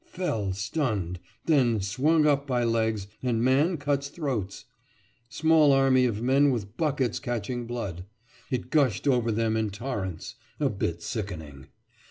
Fell stunned; then swung up by legs, and man cuts throats. Small army of men with buckets catching blood; it gushed over them in torrents—a bit sickening.